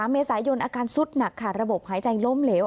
เมษายนอาการสุดหนักค่ะระบบหายใจล้มเหลว